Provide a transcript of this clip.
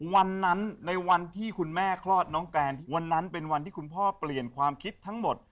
วันนั้นในวันที่คุณแม่คลอดน้องแกนวันนั้นเป็นวันที่คุณพ่อเปลี่ยนความคิดทั้งหมด